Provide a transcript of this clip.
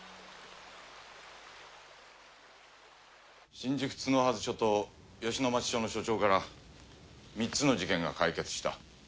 新宿角筈署と吉野町署の署長から３つの事件が解決した。